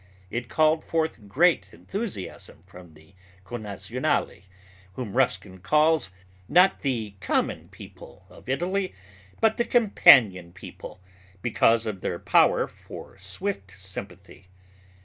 It called forth great enthusiasm from the connazionali whom Ruskin calls, not the "common people" of Italy, but the "companion people" because of their power for swift sympathy.